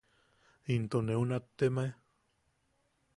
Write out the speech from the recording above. ¿Into neu nattemae?